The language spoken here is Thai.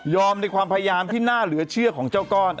ในความพยายามที่น่าเหลือเชื่อของเจ้าก้อน